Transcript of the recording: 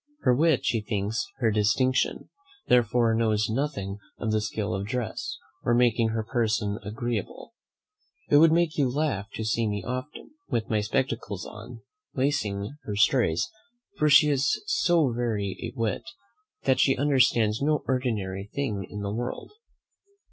Her wit she thinks her distinction, therefore knows nothing of the skill of dress, or making her person agreeable. It would make you laugh to see me often, with my spectacles on, lacing her stays, for she is so very a wit, that she understands no ordinary thing in the world.